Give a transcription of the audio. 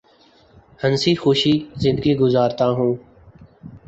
ہنسی خوشی زندگی گزارتا ہوں